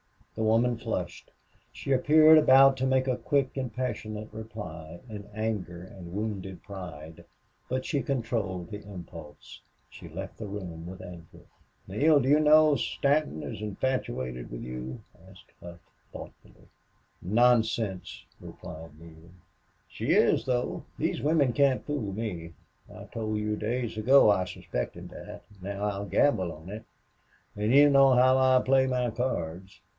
The woman flushed. She appeared about to make a quick and passionate reply, in anger and wounded pride, but she controlled the impulse. She left the room with Ancliffe. "Neale, do you know Stanton is infatuated with you?" asked Hough, thoughtfully. "Nonsense!" replied Neale. "She is, though. These women can't fool me. I told you days ago I suspected that. Now I'll gamble on it. And you know how I play my cards."